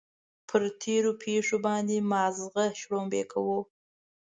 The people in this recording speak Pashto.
پر تېرو پېښو باندې ماغزه شړومبې کوو.